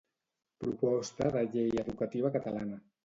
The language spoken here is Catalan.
Proposta de llei educativa catalana.